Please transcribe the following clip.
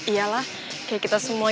iya lah kayak kita semua